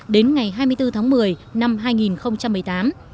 đến ngày hai mươi bốn tháng một mươi năm hai nghìn một mươi tám